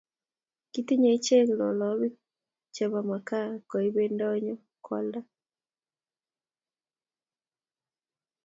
Kitinyei ichek lolobik chebo makaa koibei ndonyo koalda